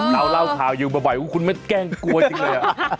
ข่าวค่าวอยู่บระไบอุ๊ยคุณแกล้งกลัวจริงเลย